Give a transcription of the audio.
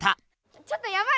ちょっとやばい！